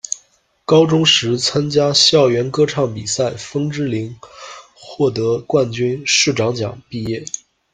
高中时，参加校园歌唱比赛枫之聆获得冠军、市长奖毕业。